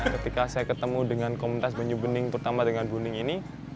ketika saya ketemu dengan komunitas banyu bening terutama dengan buning ini